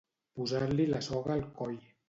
Posar-li la soga al coll.